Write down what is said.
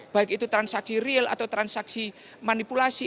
baik itu transaksi real atau transaksi manipulasi